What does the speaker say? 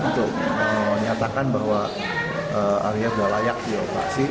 untuk menyatakan bahwa area sudah layak dioperasi